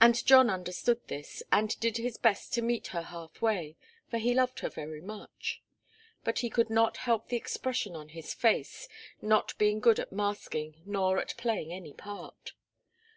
And John understood this, and did his best to meet her half way, for he loved her very much. But he could not help the expression on his face, not being good at masking nor at playing any part.